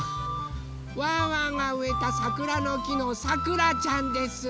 ワンワンがうえたさくらのきのさくらちゃんです。